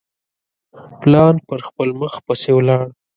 پلان پر خپل مخ پسي ولاړ.